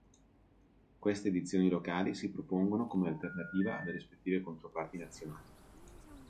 Queste edizioni locali si propongono come alternativa alle rispettive controparti nazionali.